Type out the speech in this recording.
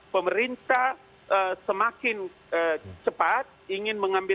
pemerintah semakin cepat ingin mengambil